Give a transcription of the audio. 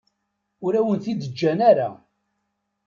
Ur awen-t-id-ǧǧan ara.